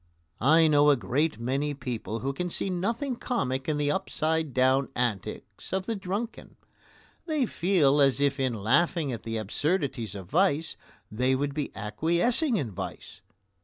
I know a great many people who can see nothing comic in the upside down antics of the drunken; they feel as if in laughing at the absurdities of vice they would be acquiescing in vice.